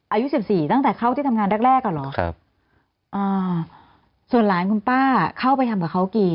อายุสิบสี่ตั้งแต่เข้าที่ทำงานแรกแรกอ่ะเหรอครับอ่าส่วนหลานคุณป้าเข้าไปทำกับเขากี่